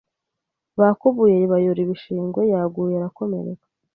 Bakubuye bayora ibishingwe. Yaguye arakomereka.